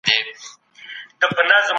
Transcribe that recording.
موږ هوښيار يو.